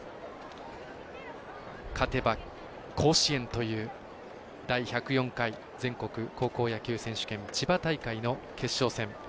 勝てば甲子園という第１０４回全国高校野球選手権千葉大会の決勝戦。